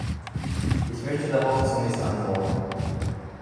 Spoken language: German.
Ich möchte darauf zunächst antworten.